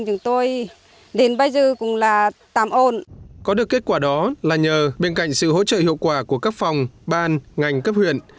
có được kết quả đó là nhờ bên cạnh sự hỗ trợ hiệu quả của các phòng ban ngành cấp huyện